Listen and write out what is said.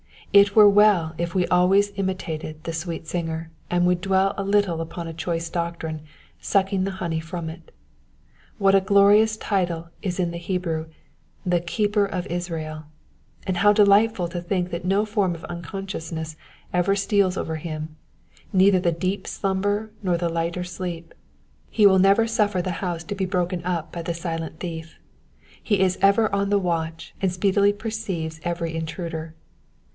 It were well if we always imitated the sweet singer, and would dwell a little upon a choice doctrine, sucking the honey from it. What a glorious title is in the Hebrew — ^^The keeper of Israd,^^ and how delightful to think that no form of unconsciousness ever steals over him, neither the deep slumber nor the lighter sleep. He will never suffer the house to be broken up by the silent thief ; he is ever on the watch, and speedily perceives every intruder.